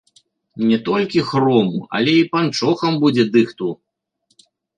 Не толькі хрому, але і панчохам будзе дыхту.